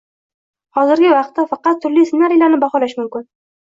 Hozirgi vaqtda faqat turli ssenariylarni baholash mumkin